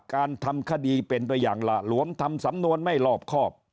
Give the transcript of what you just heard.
การทำคดีเป็นไปอย่างหละหลวมทำสำนวนไม่รอบครอบ